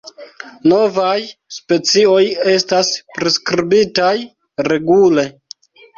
Novaj specioj estas priskribitaj regule.